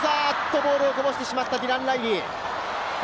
ボールこぼしてしまった、ディラン・ライリー。